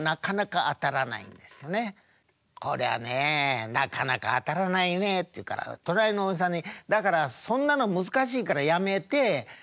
「こりゃねえなかなか当たらないね」って言うから隣のおじさんに「だからそんなの難しいからやめてそれでカラオケやれば？